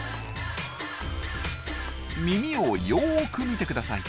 耳をよく見てください。